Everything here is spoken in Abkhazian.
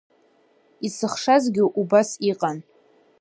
Исыхшазгьы убас иҟан.